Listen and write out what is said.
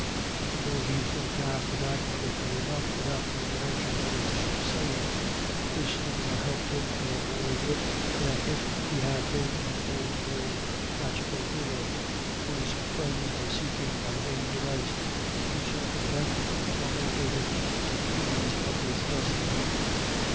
And though he forecast it accurately enough without the intervention of any soothsaying, this no more helped him to avoid it than if he had been an old world tragical hero, whose friends were seeking by vain devices to circumvent the promulgated decrees of his destiny.